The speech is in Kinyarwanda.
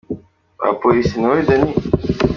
Abapolisi : Ni wowe Danny ?.